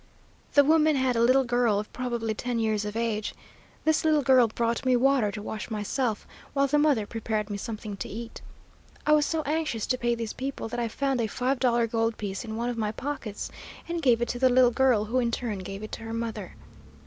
"The woman had a little girl of probably ten years of age. This little girl brought me water to wash myself, while the mother prepared me something to eat. I was so anxious to pay these people that I found a five dollar gold piece in one of my pockets and gave it to the little girl, who in turn gave it to her mother.